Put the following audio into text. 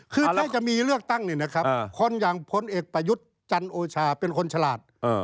คือถ้าจะมีเลือกตั้งเนี่ยนะครับคนอย่างพลเอกประยุทธ์จันโอชาเป็นคนฉลาด